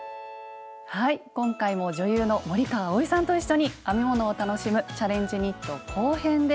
はい今回も女優の森川葵さんと一緒に編み物を楽しむ「チャレンジニット」後編です。